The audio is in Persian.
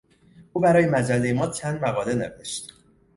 او برای مجلهی ما چند مقاله نوشت.